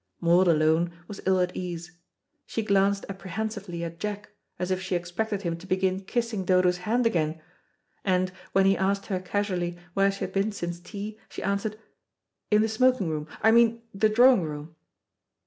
Maud alone was ill at ease. She glanced apprehensively at Jack, as if she expected him to begin kissing Dodo's hand again, and, when he asked her casually where she had been since tea, she answered; "In the smoking room I mean the drawing room."